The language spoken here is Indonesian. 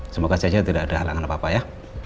semoga saja tidak ada halangan apa apa ya